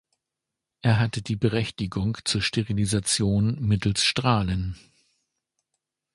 Er hatte die Berechtigung zur Sterilisation mittels Strahlen.